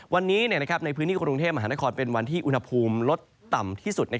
วันนี้ในพื้นที่กรุงเทพมหานครเป็นวันที่อุณหภูมิลดต่ำที่สุด